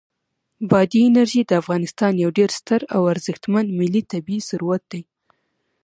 بادي انرژي د افغانستان یو ډېر ستر او ارزښتمن ملي طبعي ثروت دی.